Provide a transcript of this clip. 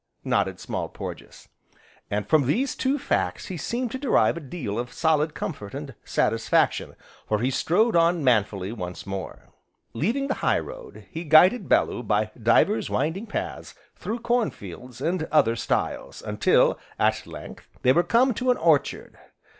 nodded Small Porges. And, from these two facts he seemed to derive a deal of solid comfort, and satisfaction for he strode on manfully once more. Leaving the high road, he guided Bellew by divers winding paths, through corn fields, and over stiles, until, at length, they were come to an orchard.